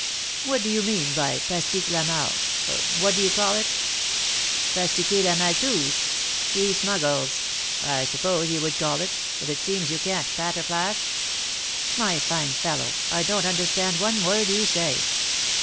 "What do you mean by pastique la mal What do you call it?" "Pastiquer la maltouze. He smuggles, I suppose you would call it; but it seems you can't 'patter flash?'" "My fine fellow, I don't understand one word you say."